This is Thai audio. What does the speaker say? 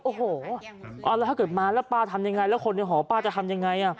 โอ้โหแล้วถ้าเกิดมาแล้วป้าทำยังไงแล้วคนในหอป้าจะทำยังไง